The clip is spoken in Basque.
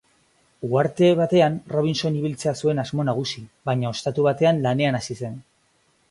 Uharte batean Robinson ibiltzea zuen asmo nagusi baina ostatu batean lanean hasi zen.